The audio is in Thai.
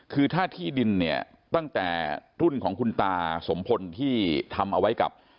คือถ้าที่ดินเนี่ยตั้งแต่รุ่นของคุณตาสมพลที่ทำเอาไว้กับ